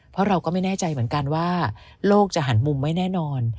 เพราะเราก็ไม่แน่ใจเหมือนกันว่าโลกจะหันมุมไม่แน่นอน